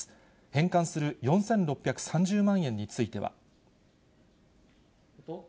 返還する４６３０万円については。